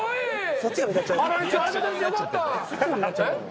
そっちが目立っちゃうのよ。